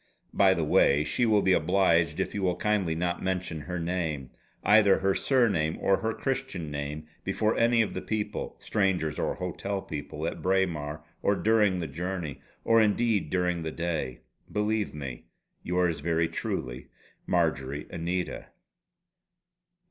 By the way she will be obliged if you will kindly not mention her name either her surname or her Christian name before any of the people strangers or hotel people, at Braemar or during the journey or indeed during the day. Believe me, Yours very truly, "MARJORY ANITA."